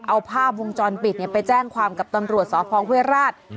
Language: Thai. เอาภาพวงจรปิดไปแจ้งความกับตำรวจสพเวราช